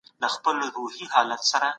د دیني پوهنو په برخه کي هم څېړني ارزښت لري.